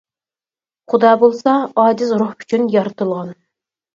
خۇدا بولسا ئاجىز روھ ئۈچۈن يارىتىلغان.